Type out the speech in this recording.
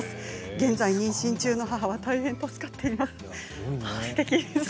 現在妊娠中の母は大変助かっています。